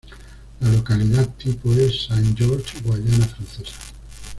La localidad tipo es: Saint-Georges, Guayana Francesa.